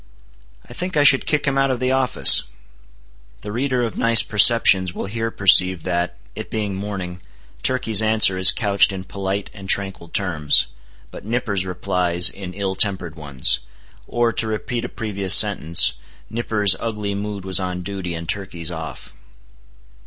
"I think I should kick him out of the office." (The reader of nice perceptions will here perceive that, it being morning, Turkey's answer is couched in polite and tranquil terms, but Nippers replies in ill tempered ones. Or, to repeat a previous sentence, Nippers' ugly mood was on duty and Turkey's off.)